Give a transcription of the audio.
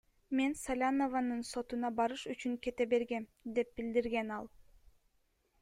Мен Салянованын сотуна барыш үчүн кете бергем, — деп билдирген ал.